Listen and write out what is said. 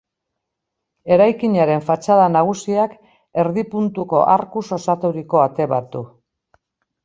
Eraikinaren fatxada nagusiak erdi puntuko arkuz osaturiko ate bat du.